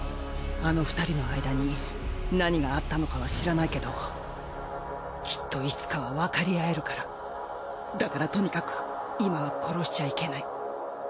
あの２人の間に何があったのかは知らないけどきっといつかはわかり合えるからだからとにかく今は殺しちゃいけない。